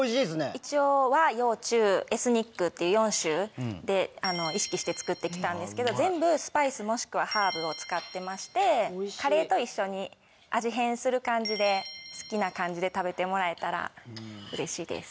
一応和洋中エスニックって４種で意識して作って来たんですけど全部スパイスもしくはハーブを使ってましてカレーと一緒に味変する感じで好きな感じで食べてもらえたらうれしいです。